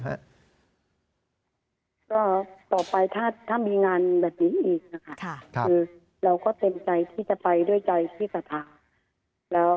ต่อไปถ้ามีงานแบบนี้อีกเราก็เต็มใจที่จะไปด้วยใจพิสัทธา